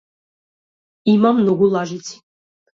Има многу лажици.